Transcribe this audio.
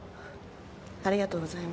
ありがとうございます。